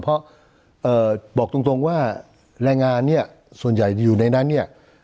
เพราะบอกตรงว่าแรงงานเนี่ยส่วนใหญ่อยู่ในนั้นเนี่ย